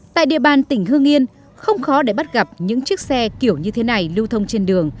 tại địa bàn tỉnh hương yên không khó để bắt gặp những chiếc xe kiểu như thế này lưu thông trên đường